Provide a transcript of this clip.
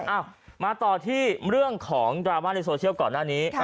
เอามาต่อที่เรื่องของดราม่าในโซเชียลก่อนหน้านี้